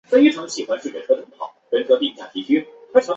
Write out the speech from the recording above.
天鹅绒革命后成为斯柯达在一边私人公司也改革它的生产。